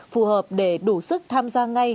phù hợp để đủ sức tham gia ngay